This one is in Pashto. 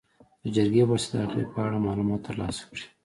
د جرګې په واسطه د هغې په اړه معلومات تر لاسه کړي.